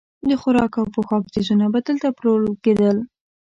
د خوراک او پوښاک څیزونه به دلته پلورل کېدل.